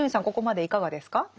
ここまでいかがですか？